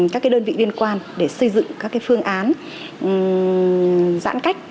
các đơn vị liên quan để xây dựng các phương án giãn cách